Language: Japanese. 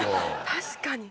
確かに。